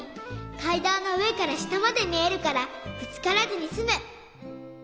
かいだんのうえからしたまでみえるからぶつからずにすむ。